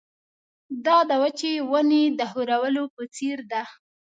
دا د وچې ونې د ښورولو په څېر ده.